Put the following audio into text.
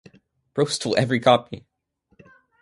Bro stole every copy.